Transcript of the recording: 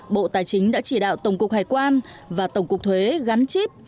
bộ tài chính đã chỉ đạo tổng cục hải quan và tổng cục thuế gắn chip